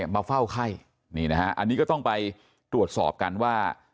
มาเฝ้าไข้นี่นะฮะอันนี้ก็ต้องไปตรวจสอบกันว่า